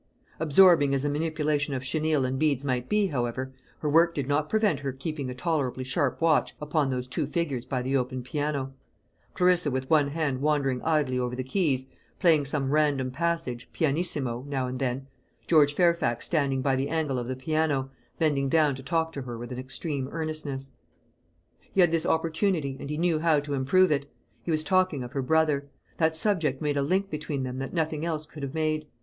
Absorbing as the manipulation of chenille and beads might be, however, her work did not prevent her keeping a tolerably sharp watch upon those two figures by the open piano: Clarissa with one hand wandering idly over the keys, playing some random passage, pianissimo, now and then; George Fairfax standing by the angle of the piano, bending down to talk to her with an extreme earnestness. He had his opportunity, and he knew how to improve it. He was talking of her brother. That subject made a link between them that nothing else could have made.